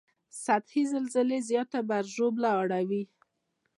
سطحي زلزلې زیاته مرګ ژوبله اړوي